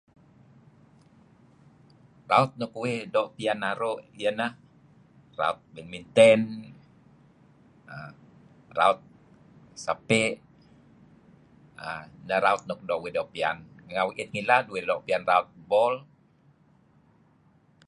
Raut nuk uih doo' piyan naru' iyah nah raut badminten err raut sape' err neh raut nuk doo' uih doo' piyan uih raut. Renga' uih i'it ngilad uih doo' piyan raut bol.